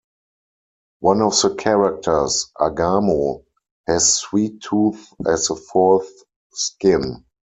One of the characters, Agamo, has Sweet Tooth as the fourth skin.